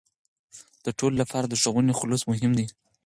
د ټولو لپاره د ښوونې خلوص مهم دی.